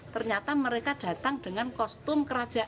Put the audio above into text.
ternyata mereka datang dengan kostum